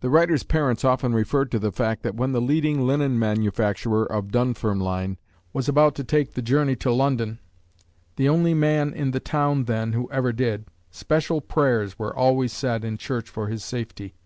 The writer's parents often referred to the fact that when the leading linen manufacturer of Dunfermline was about to take the journey to London the only man in the town then who ever did special prayers were always said in church for his safety.